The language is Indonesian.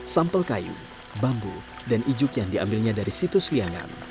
sampel kayu bambu dan ijuk yang diambilnya dari situs liangan